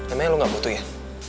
emang lo gak butuh ya